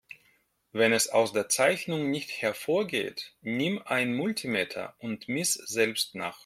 Wenn es aus der Zeichnung nicht hervorgeht, nimm ein Multimeter und miss selbst nach.